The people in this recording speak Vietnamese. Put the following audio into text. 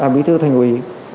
bí thư thành quỳ